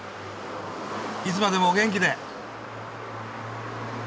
いつまでもお元気で。